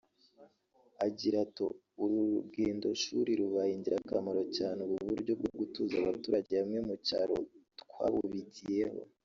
Agira ato “Uru rugendoshuri rubaye ingirakamaro cyane ubu buryo bwo gutuza abaturage hamwe mu cyaro twabubigiyeho